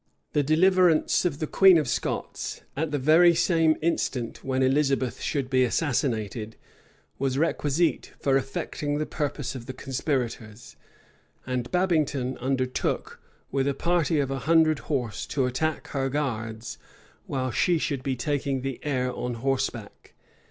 The deliverance of the queen of Scots, at the very same instant when Elizabeth should be assassinated, was requisite for effecting the purpose of the conspirators; and Babington undertook, with a party of a hundred horse, to attack her guards while she should be taking the air on horseback.